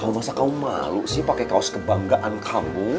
masa kamu malu sih pake kaos kebanggaan kamu